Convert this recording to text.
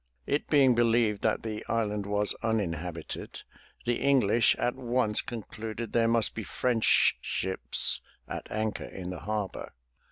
It being believed that the island was uninhabited, the English at once concluded there must be French ships at anchor in the harbor.